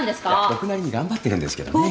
僕なりに頑張ってるんですけどね。